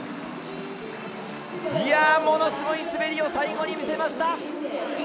ものすごい滑りを最後に見せました！